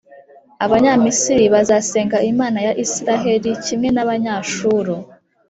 Abanyamisiri bazasenga Imana ya Israheli kimwe n’Abanyashuru.